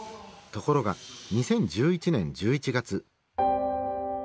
ところが２０１１年１１月。